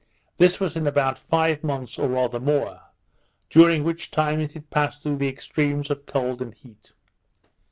This was in about five months, or rather more, during which time it had passed through the extremes of cold and heat.